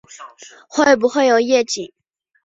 会不会有夜景